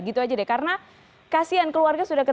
gitu aja deh